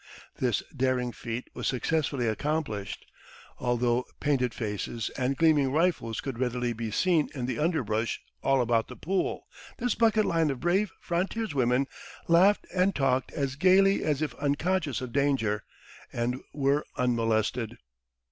This daring feat was successfully accomplished. Although painted faces and gleaming rifles could readily be seen in the underbrush all about the pool, this bucket line of brave frontiers women laughed and talked as gaily as if unconscious of danger, and were unmolested.